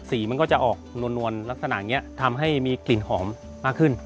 มันก็จะออกนวลลักษณะอย่างนี้ทำให้มีกลิ่นหอมมากขึ้น